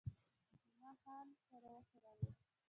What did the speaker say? جمعه خان سر وښوراوه.